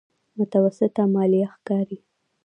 متوسطه ماليه ښکاري.